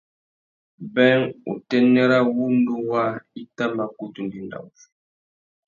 Being, utênê râ wŭndú waā i tà mà kutu ndénda wuchi.